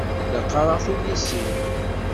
La qqareɣ tullisin.